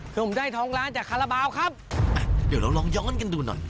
ผมได้ทองล้านจากคาราบาลครับอ่ะเดี๋ยวเราลองย้อนกันดูหน่อย